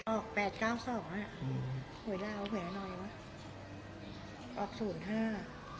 ออกแปดเก้าสองน่ะอืมเวลาเผื่อหน่อยไหมออกศูนย์ห้า